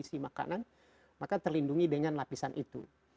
jadi maka terlindungi dengan lapisan itu